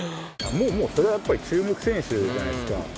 それはやっぱ注目選手じゃないですか。